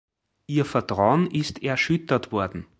Ihr Vertrauen ist erschüttert worden.